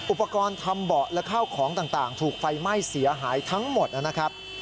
อุปกรณ์ทำเบาะและข้าวของต่างถูกไฟไหม้เสียหายทั้งหมดนะครับ